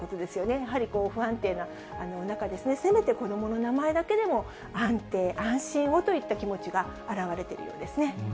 やはり不安定な中、せめて子どもの名前だけでも、安定、安心をといった気持ちが表れているようですね。